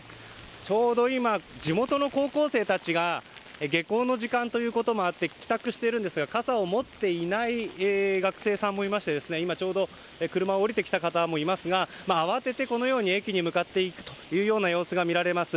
ちょうど今、地元の高校生たちが下校の時間ということもあって帰宅しているんですが傘を持っていない学生さんもいまして今、ちょうど車を降りてきた方もいますが慌てて駅に向かっていく様子が見られます。